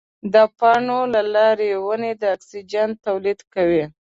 د پاڼو له لارې ونې د اکسیجن تولید کوي.